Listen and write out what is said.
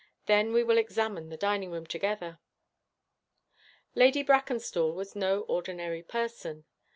Then we will examine the dining room together.' Lady Brackenstall was no ordinary person.